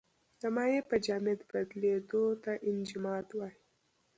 د مایع په جامد بدلیدو ته انجماد وايي.